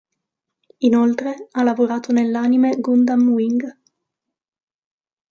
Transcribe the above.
Inoltre ha lavorato nell'anime Gundam Wing.